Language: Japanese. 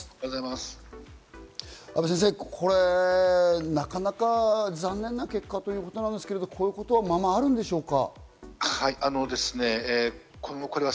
安倍先生、これ、なかなか残念な結果ということなんですけれども、こういうことはままあるんでしょうか？